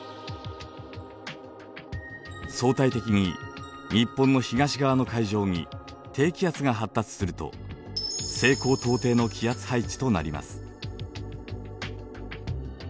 相対的に日本の東側の海上に低気圧が発達すると西高東低の気圧配置となります。